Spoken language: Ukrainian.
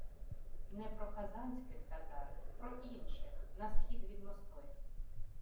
не про казанських татар – про інших на схід від Москви